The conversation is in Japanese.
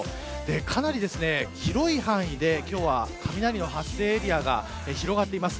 かなり広い範囲で雷の発生エリアが広がっています。